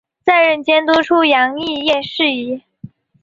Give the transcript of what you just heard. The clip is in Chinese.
再任监督出洋肄业事宜。